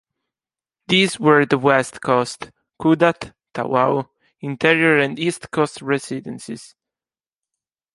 These were the West Coast, Kudat, Tawau, Interior and East Coast Residencies.